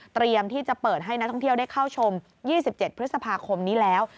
ที่จะเปิดให้นักท่องเที่ยวได้เข้าชม๒๗พฤษภาคมนี้แล้ว